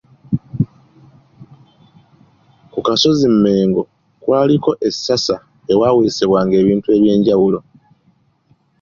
Ku kasozi Mengo kwaliko essasa ewaweesebwa ebintu eby'enjawulo.